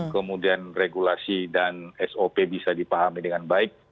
kemudian regulasi dan sop bisa dipahami dengan baik